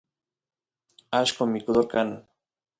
allqo mikudor kan